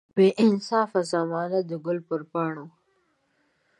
بې انصافه زمانې د ګل پر پاڼو.